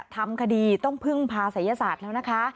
ทำคดีต้องพึ่งพาศัยศาสตร์แล้วนะคะ